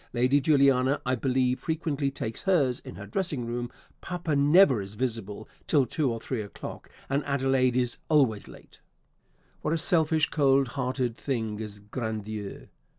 Lady Juliana, I believe, frequently takes hers in her dressing room; Papa never is visible till two or three o'clock; and Adelaide is always late." "What a selfish cold hearted thing is grandeur!"